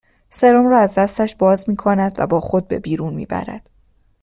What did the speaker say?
سرُم را از دستش باز میکند و با خود به بیرون میبرد